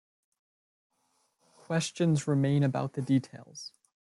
Questions remain about the details.